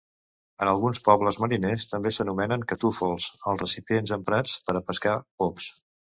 En alguns pobles mariners també s'anomenen catúfols els recipients emprats per a pescar pops.